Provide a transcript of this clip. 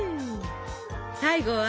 最後は？